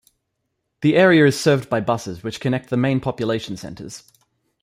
The area is served by buses which connect the main population centres.